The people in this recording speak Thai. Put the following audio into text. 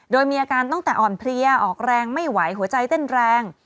โดยมีอาการตั้งแต่อ่อนเพลียออกแรงไม่ไหวหัวใจเต้นแรง